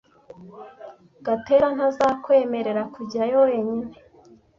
Gatera ntazakwemerera kujyayo wenyine.